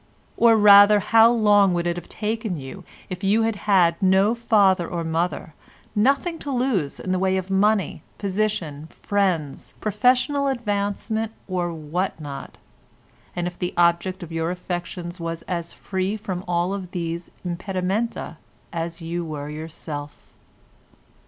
Or rather, how long would it have taken you if you had had no father or mother, nothing to lose in the way of money, position, friends, professional advancement, or what not, and if the object of your affections was as free from all these impedimenta as you were yourself?